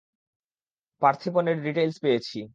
পার্থিপনের details পেয়েছি।